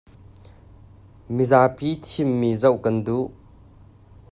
Mizapi thimmi zoh kan duh.